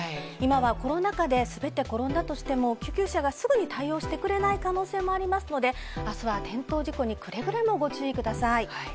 今はコロナ禍で、滑って転んだとしても、救急車がすぐに対応してくれない可能性がありますので、あすは転倒事故にくれぐれもご注意ください。